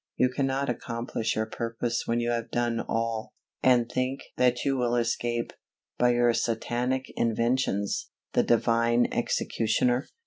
You cannot accomplish your purpose when you have done all; and think you that you will escape, by your satanic inventions, the Divine Executioner?